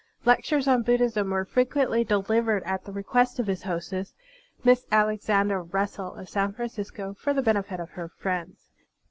Lectures on Buddhism were frequently delivered at the request of his hostess, Mrs. Alexander Russell of San Francisco, for the benefit of her friends.